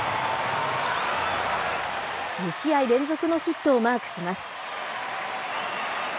２試合連続のヒットをマークします。